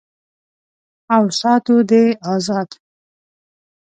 او ساتو دې آزاد